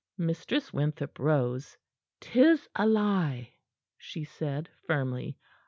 Mistress Winthrop rose. "'Tis a lie," she said firmly.